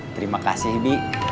terima kasih bi